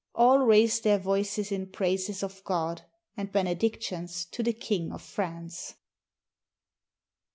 All raised their voices in praises to God, and benedictions to the King of France.